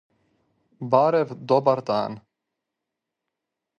барев добар дан